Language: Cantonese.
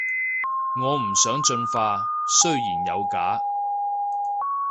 我唔想進化，雖然有假